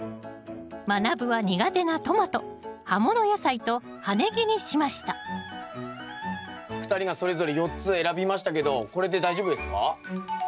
まなぶは苦手なトマト葉物野菜と葉ネギにしました２人がそれぞれ４つ選びましたけどこれで大丈夫ですか？